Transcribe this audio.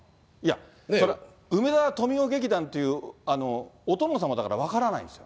それは梅沢富美男劇団っていうお殿様だから分からないですか？